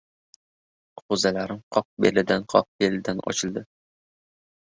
G‘o‘zalarim qoq belidan-qoq belidan ochildi.